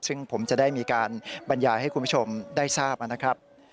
ซึ่งผมจะได้มีการบรรยายให้คุณผู้ชมได้ทราบนะครับ